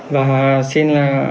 và xin là